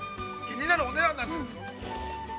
気になるお値段なんですけど。